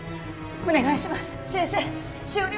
お願いします